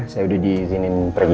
saya sudah di izinin senik aja